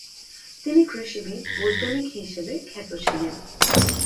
তিনি কৃষিবিদ-বৈজ্ঞানিক হিসেবে খ্যাত ছিলেন।